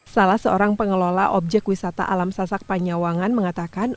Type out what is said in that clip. salah seorang pengelola objek wisata alam sasak panyawangan mengatakan